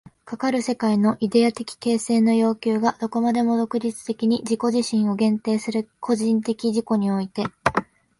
かかる世界のイデヤ的形成の要求がどこまでも独立的に自己自身を限定する個人的自己において、